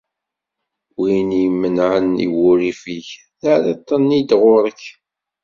Wid i imenɛen i wurrif-ik, terriḍ-ten-id ɣur-k.